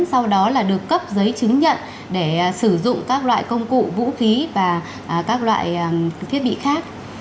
sau đó là được cấp giấy chứng nhận để sử dụng các loại công cụ vũ khí và các loại thiết bị khác